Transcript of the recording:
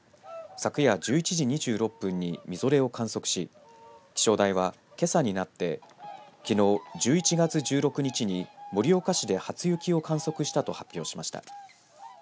昨夜１１時２６分にみぞれを観測し気象台は、けさになってきのう１１月１６日に盛岡市で初雪を観測したと発表しました。